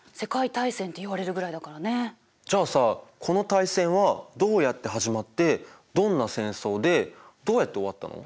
じゃあさこの大戦はどうやって始まってどんな戦争でどうやって終わったの？